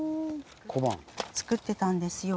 作ってたんですよ。